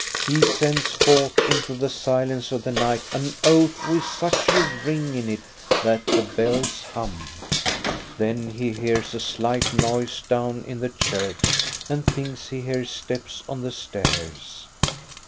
He sends forth into the silence of the night an oath with such a ring in it that the bells hum. Then he hears a slight noise down in the church and thinks he hears steps on the stairs.